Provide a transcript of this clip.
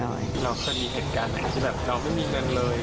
เราจะมีเหตุการณ์ไหนที่แบบเราไม่มีเงินเลย